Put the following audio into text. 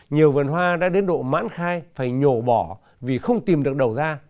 nhiều vườn hoa đã đến độ mãn khai phải nhổ bỏ vì không tìm được đầu ra